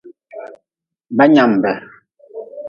Banyanbe.